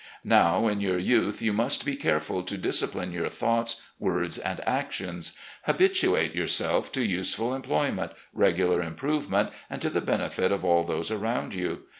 Now in your youth you must be careful to discipline your thoughts, words, and actions. Habituate yourself to useful employment, regular improvement, and to the benefit of all those around you.